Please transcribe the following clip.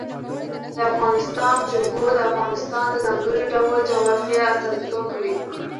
د افغانستان جلکو د افغانستان د ځانګړي ډول جغرافیه استازیتوب کوي.